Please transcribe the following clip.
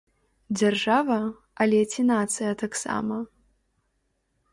Дзяржава, але ці нацыя таксама?